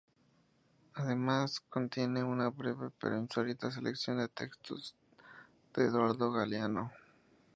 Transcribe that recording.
Además contiene una breve pero insólita selección de textos de Eduardo Galeano.